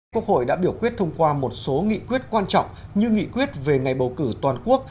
quốc hội đã biểu quyết thông qua một số nghị quyết quan trọng như nghị quyết về ngày bầu cử toàn quốc